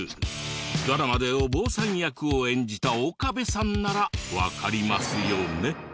ドラマでお坊さん役を演じた岡部さんならわかりますよね？